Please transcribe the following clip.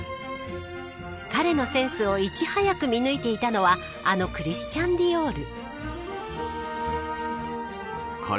彼のセンスをいち早く見抜いていたのはあのクリスチャン・ディオール。